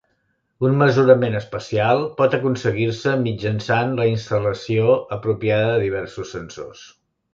Un mesurament espacial pot aconseguir-se mitjançant la instal·lació apropiada de diversos sensors.